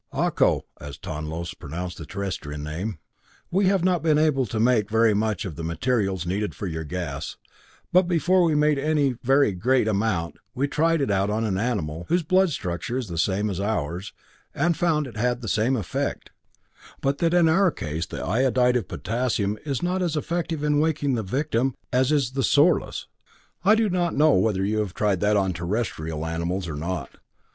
"Ah co," as Tonlos pronounced the Terrestrian name, "we have not been able to make very much of the materials needed for your gas, but before we made any very great amount, we tried it out on an animal, whose blood structure is the same as ours, and found it had the same effect, but that in our case the iodide of potassium is not as effective in awakening the victim as is the sorlus. I do not know whether you have tried that on Terrestrial animals or not.